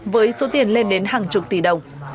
với số tiền lên đến hàng chục tỷ đồng